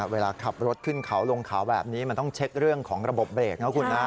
เวลาขับรถขึ้นเขาลงเขาแบบนี้มันต้องเช็คเรื่องของระบบเบรกนะคุณนะ